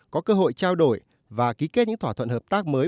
có cơ hội trao đổi và ký kết những thỏa thuận hợp tác mới